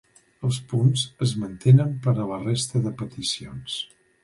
Els punts es mantenen per a la resta de peticions.